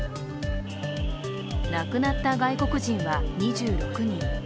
亡くなった外国人は２６人。